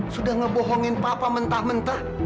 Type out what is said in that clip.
sudah ngebohongin papa mentah mentah